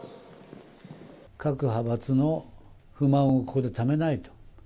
各派閥の不満をここでためないと。